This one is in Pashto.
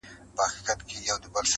ګاونډي دي بچي پلوري له غربته,